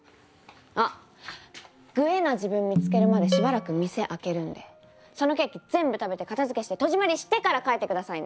あ「グえ」な自分見つけるまでしばらく店空けるんでそのケーキ全部食べて片づけして戸締まりしてから帰って下さいね。